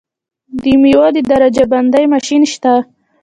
د میوو د درجه بندۍ ماشین شته؟